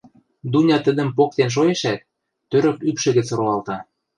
Дуня тӹдӹм поктен шоэшӓт, тӧрӧк ӱпшӹ гӹц роалта.